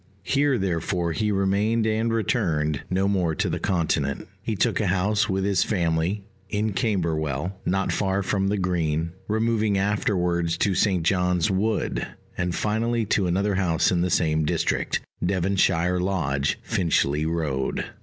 Here therefore he remained and returned, no more to the Continent. He took a house, with his family, in Camberwell, not far from the Green; removing afterwards to St. John's Wood, and finally to another house in the same district, Devonshire Lodge, Finchley Road.